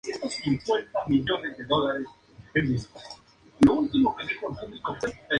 No volvió a ser mencionado en fuentes posteriores.